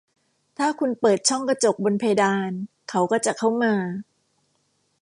ถ้าคุณเปิดช่องกระจกบนเพดาน เขาก็จะเข้ามา